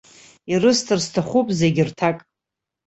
Ирысҭар сҭахуп зегь рҭак.